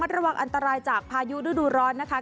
ระวังอันตรายจากพายุฤดูร้อนนะคะ